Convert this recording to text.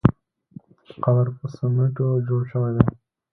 قبر په سمېټو جوړ شوی دی.